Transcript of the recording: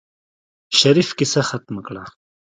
شريف کيسه ختمه کړه.